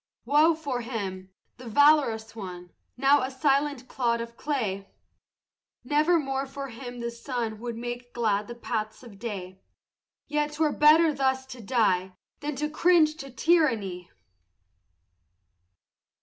Woe for him, the valorous one, Now a silent clod of clay! Nevermore for him the sun Would make glad the paths of day; Yet 'twere better thus to die Than to cringe to tyranny!